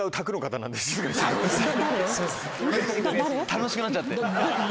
楽しくなっちゃって。